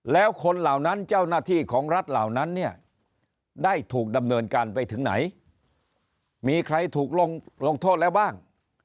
แล้วคนเหล่านั้นเจ้าหน้าที่ของรัฐเหล่านั้นเนี่ยได้ถูกดำเนินการไปถึงไหนมีใครถูกลงโทษแล้วบ้าง